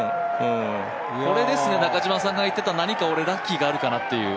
これですね、中嶋さんが言っていた何か俺ラッキーがあるかなっていう。